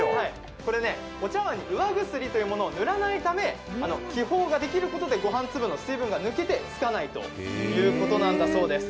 お茶わんに釉薬を塗らないため気泡ができることでご飯粒の水分が抜けてつかないということなんだそうです。